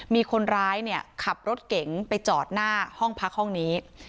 มีคนร้ายเนี่ยขับรถเก๋งไปจอดหน้าห้องพักห้องนี้